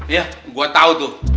iya gua tahu tuh